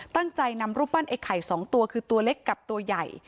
ตั้งใจนำรูปปั้นไอ้ไข่๒ตัวคือตัวเล็กกับตัวใหญ่